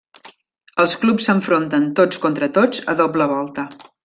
Els clubs s'enfronten tots contra tots a doble volta.